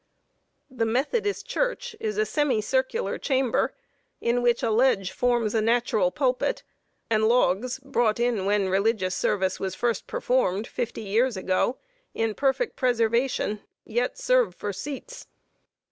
] The Methodist Church is a semi circular chamber, in which a ledge forms the natural pulpit; and logs, brought in when religious service was first performed, fifty years ago, in perfect preservation, yet serve for seats.